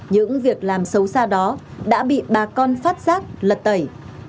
những việc làm xấu xa đó đã bị bà con phát giác lật tẩy